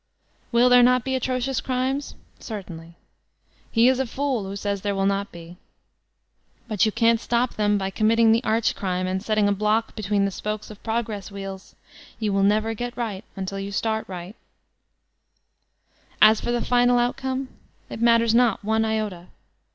Will there not be atrocious crimes? Certainly. He is a fool who says there will not be. But you can't stop them by committing the arch crime and setting a blodc between the spokes of Progress wheels. You will never get right until you start right As for the final outcome, it matters not one iola.